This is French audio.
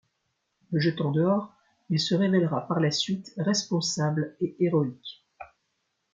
Le jetant dehors, il se révèlera par la suite responsable et héroïque.